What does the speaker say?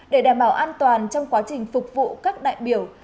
để đảm bảo an toàn trong quá trình phục vụ các đại biểu